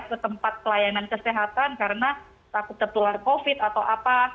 ketempat pelayanan kesehatan karena takut tertular covid atau apa